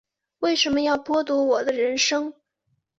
为什么要剥夺我的人生